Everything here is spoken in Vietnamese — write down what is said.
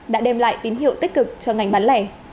đã đem lại tín hiệu tích cực cho ngành bán lẻ